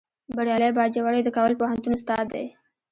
بریالی باجوړی د کابل پوهنتون استاد دی